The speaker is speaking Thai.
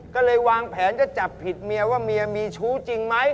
ก็เลยวางแผนก็จับผิดเมียว่าเมียมีชู้จริงไหม